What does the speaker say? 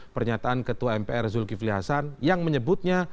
pernyataan ketua mpr zulkifli hasan yang menyebutnya